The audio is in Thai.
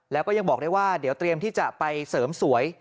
แล้วก็ยังบอกได้ว่าเดี๋ยวเตรียมที่จะไปเสริมสวย